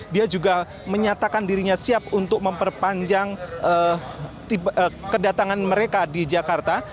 dia juga menyatakan dirinya siap untuk memperpanjang kedatangan mereka di jakarta